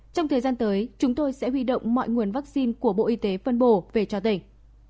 trong thời gian tới chúng tôi sẽ huy động mọi nguồn vaccine của bộ y tế phân bổ về cho tỉnh